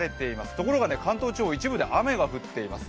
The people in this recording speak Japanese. ところが関東地方、一部で雨が降っています。